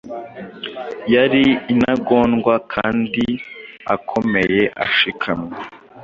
Yari intagondwa kandi akomeyeashikamye